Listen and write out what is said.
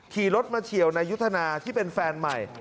ขี่รถมาเฉียวนายุทธนาที่เป็นแฟนใหม่